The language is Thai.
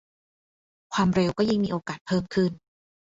ความเร็วก็ยิ่งมีโอกาสเพิ่มขึ้น